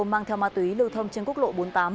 mang theo ma túy lưu thông trên quốc lộ bốn mươi tám